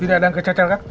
tidak ada yang kecacat kan